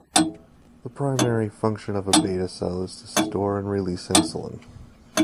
The primary function of a beta cell is to store and release insulin.